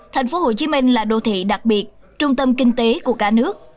tp hcm là đô thị đặc biệt trung tâm kinh tế của cả nước